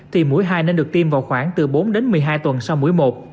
thì mũi hai nên được tiêm vào khoảng từ bốn đến một mươi hai tuần sau mũi một